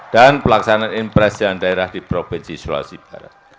dan pelaksanaan impresi jalan daerah di provinsi sulawesi barat